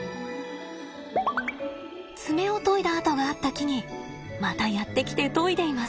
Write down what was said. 爪をといだ跡があった木にまたやって来てといでいます。